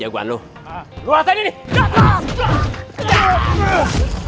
awas jadi udah